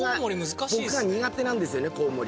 僕は苦手なんですよねコウモリ。